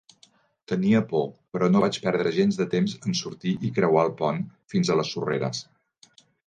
Tenia por, però no vaig perdre gens de temps en sortir i creuar el pont fins a les sorreres.